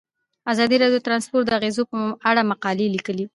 ازادي راډیو د ترانسپورټ د اغیزو په اړه مقالو لیکلي.